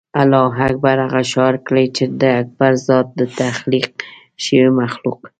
الله اکبر هغه شعار کړي چې د اکبر ذات د تخلیق شوي مخلوق.